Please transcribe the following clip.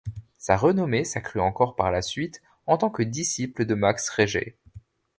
Sa renommée s'accrut encore par la suite en tant que disciple de Max Reger.